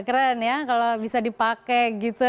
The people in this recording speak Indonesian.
keren ya kalau bisa dipakai gitu